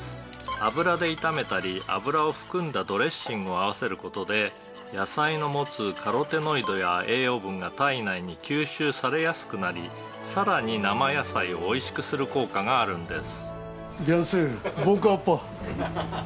「油で炒めたり油を含んだドレッシングを合わせる事で野菜の持つカロテノイドや栄養分が体内に吸収されやすくなりさらに生野菜をおいしくする効果があるんです」